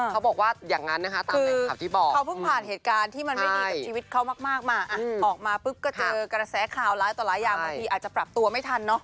กับความรู้สึกหลายอย่าง